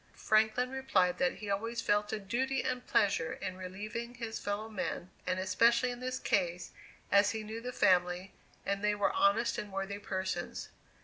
Franklin replied that he always felt a duty and pleasure in relieving his fellow men, and especially in this case, as he knew the family; and they were honest and worthy persons.